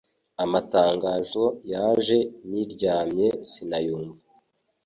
Amatangazo yaje nryame sinayumva